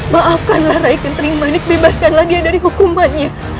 maafkanlah raiken tering manik bebaskanlah dia dari hukumannya